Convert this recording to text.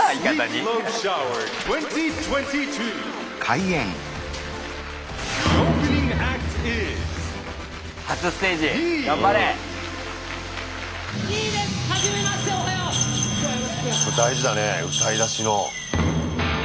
これ大事だね歌い出しの。